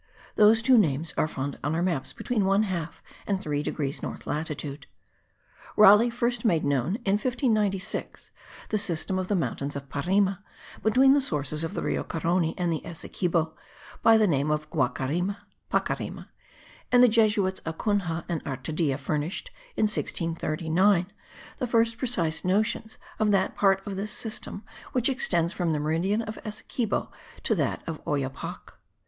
Those two names are found on our maps between 1/2 and 3 degrees north latitude. Raleigh first made known, in 1596, the system of the mountains of Parime, between the sources of the Rio Carony and the Essequibo, by the name of Wacarima (Pacarima), and the Jesuits Acunha and Artedia furnished, in 1639, the first precise notions of that part of this system which extends from the meridian of Essequibo to that of Oyapoc.